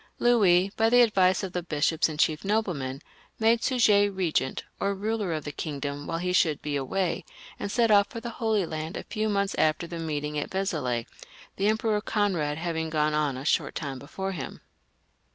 Louis, by the advice of the bishops and chief noblemen, made Suger regent, or ruler of the kingdom while he should be away, and set off for the Holy Land a few months after the meeting of Vezelay ; the Emperor Conrad having gone on a short time before him.